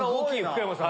福山さん。